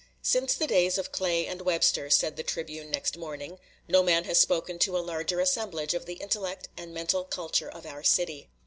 "Since the days of Clay and Webster," said the "Tribune" next morning, "no man has spoken to a larger assemblage of the intellect and mental culture of our city."